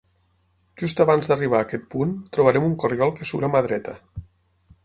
Just abans d'arribar a aquest punt, trobarem un corriol que surt a mà dreta.